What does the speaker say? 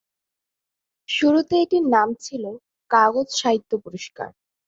শুরুতে এটির নাম ছিলো কাগজ সাহিত্য পুরস্কার।